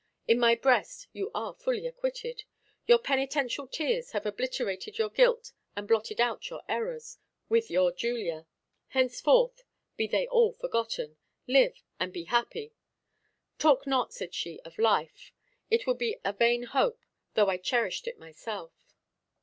"In my breast you are fully acquitted. Your penitential tears have obliterated your guilt and blotted out your errors with your Julia. Henceforth, be they all forgotten. Live, and be happy." "Talk not," said she, "of life; it would be a vain hope, though I cherished it myself.